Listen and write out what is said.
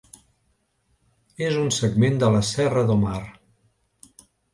És un segment de la Serra do Mar.